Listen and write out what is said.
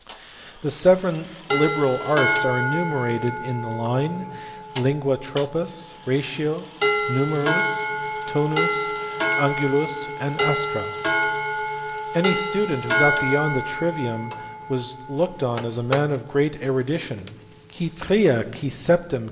The seven liberal arts are enumerated in the line, Lingua, tropuSj ratio; numerus, tonus, angulus, astra. Any student who got beyond the trivium was looked on as a man of great erudition, Qui tria, qui septein.